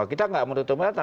kita nggak menutupi rata